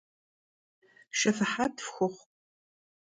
Şşefihet fxuxhu!